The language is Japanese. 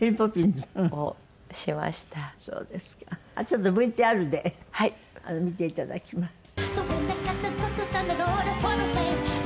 ちょっとＶＴＲで見て頂きます。